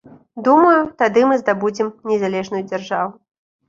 Думаю, тады мы здабудзем незалежную дзяржаву.